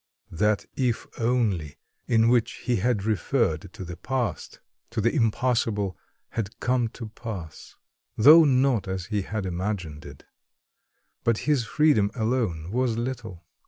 That "if only" in which he had referred to the past, to the impossible had come to pass, though not as he had imagined it, but his freedom alone was little.